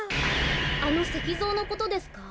あのせきぞうのことですか？